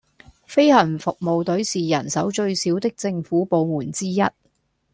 飛行服務隊是人手最少的政府部門之一